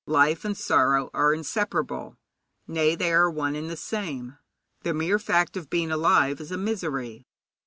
Life and sorrow are inseparable nay, they are one and the same thing. The mere fact of being alive is a misery.